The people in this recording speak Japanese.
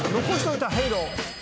残しといたヘイロー。